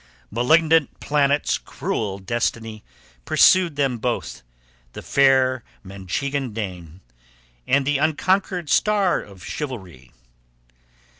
Malignant planets, cruel destiny, Pursued them both, the fair Manchegan dame, And the unconquered star of chivalry.